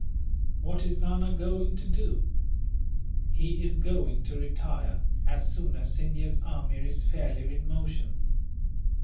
"What is Nana going to do?" "He is going to retire, as soon as Scindia's army is fairly in motion."